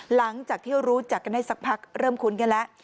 หลังจากที่รู้จักกันได้สักพักเริ่มคุ้นกันแล้ว